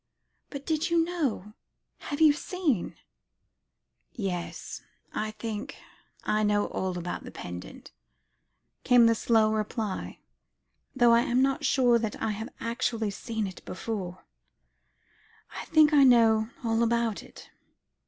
"But did you know; had you seen " "Yes I think I know all about the pendant," came the slow reply; "though I am not sure that I have actually seen it before I think I know all about it.